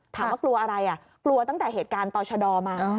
กลัวอะไรกลัวตั้งแต่เหตุการณ์ต่อชะดอมา